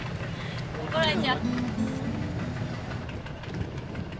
怒られちゃう。